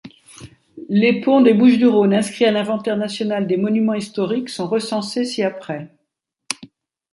Les ponts des Bouches-du-Rhône inscrits à l’inventaire national des monuments historiques sont recensés ci-après.